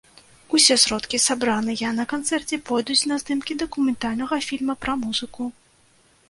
Усе сродкі сабраныя на канцэрце пойдуць на здымкі дакументальнага фільма пра музыку.